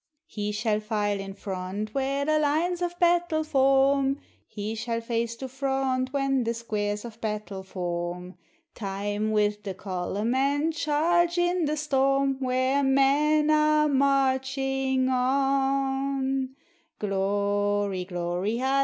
3 » 5° He shall file in front where the lines of battle form, He shall face to front when the' squares of battle form â Time with the column, and charge in the storm, Where men are marching on^ Glory, etc.